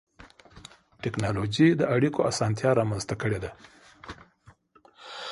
ټکنالوجي د اړیکو اسانتیا رامنځته کړې ده.